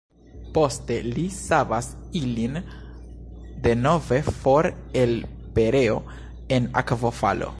Poste li savas ilin denove for el pereo en akvofalo.